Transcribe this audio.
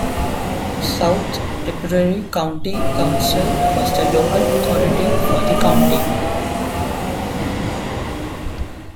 South Tipperary County Council was the local authority for the county.